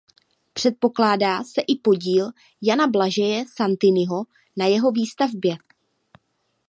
Předpokládá se i podíl Jana Blažeje Santiniho na jeho výstavbě.